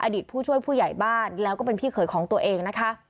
ผู้ช่วยผู้ใหญ่บ้านแล้วก็เป็นพี่เขยของตัวเองนะคะ